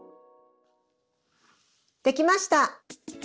できました。